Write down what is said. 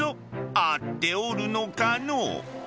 合っておるのかの？